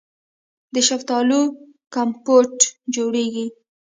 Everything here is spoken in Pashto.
د شفتالو کمپوټ جوړیږي.